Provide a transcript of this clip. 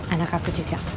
anak aku juga